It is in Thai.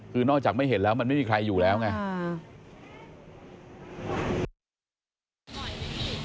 คือนอกจากไม่เห็นแล้วมันไม่มีใครอยู่แล้วไง